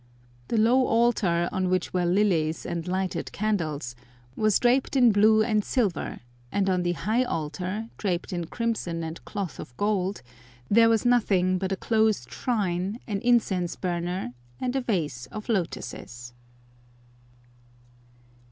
The low altar, on which were lilies and lighted candles, was draped in blue and silver, and on the high altar, draped in crimson and cloth of gold, there was nothing but a closed shrine, an incense burner, and a vase of lotuses.